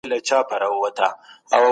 د واک سوله ييز لېږد د ډيموکراسۍ اصل دی.